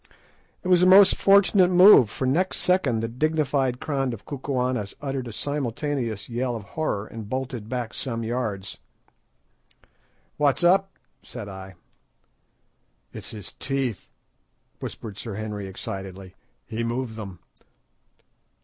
It was a most fortunate move, for next second the dignified crowd of Kukuanas uttered a simultaneous yell of horror, and bolted back some yards. "What's up?" said I. "It's his teeth," whispered Sir Henry excitedly. "He moved them.